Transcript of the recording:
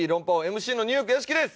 ＭＣのニューヨーク屋敷です。